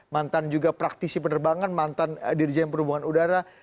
mantan juga praktisi penerbangan mantan dirjen perhubungan udara